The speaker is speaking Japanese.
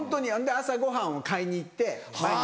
朝ごはんを買いに行って毎日。